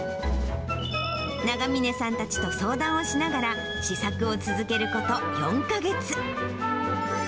永峰さんたちと相談をしながら試作を続けること４か月。